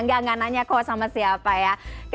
gak ngananya kok sama siapa ya